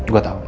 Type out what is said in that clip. saya tahu nen